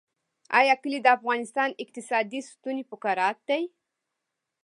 آیا کلي د افغانستان اقتصادي ستون فقرات دي؟